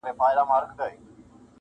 د روغن یوه ښیښه یې کړله ماته-